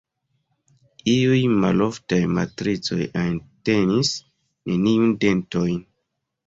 Iuj maloftaj matricoj entenis neniujn dentojn.